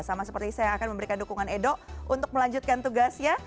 sama seperti saya akan memberikan dukungan edo untuk melanjutkan tugasnya